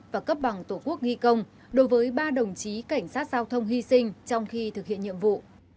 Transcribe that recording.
và cấp bằng tổ quốc ghi công đối với ba đồng chí cảnh sát giao thông hy sinh trong khi thực hiện nhiệm vụ